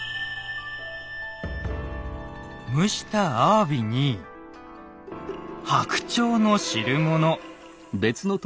蒸したあわびに白鳥の汁物。